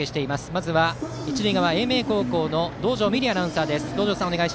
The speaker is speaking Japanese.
まずは一塁側、英明高校の道上美璃アナウンサーです。